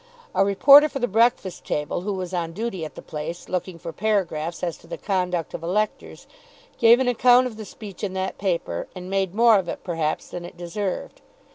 A reporter for the "Breakfast Table" who was on duty at the place, looking for paragraphs as to the conduct of electors, gave an account of the speech in that paper, and made more of it, perhaps, than it deserved.